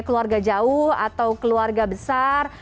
keluarga jauh atau keluarga besar